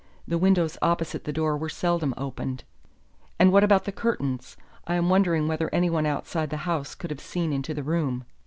The windows opposite the door were seldom opened." "And what about the curtains? I am wondering whether anyone outside the house could have seen into the room."